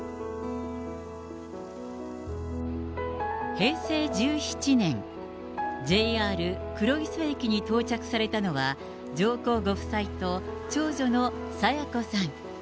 平成１７年、ＪＲ黒磯駅に到着されたのは、上皇ご夫妻と長女の清子さん。